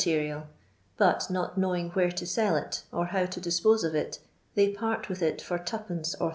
143 terial, but not knowing where to lell it, or how to difpote of it, they part with it for 2d, or Zd.